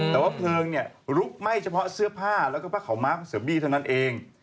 แต่ว่าเพลิงเนี่ยลุกไหม้เฉพาะเสื้อผ้าแล้วก็ผ้าขาวม้าผ้าเสือบี้เท่านั้นเอง